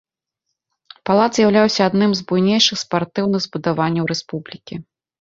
Палац з'яўляўся адным з буйнейшых спартыўных збудаванняў рэспублікі.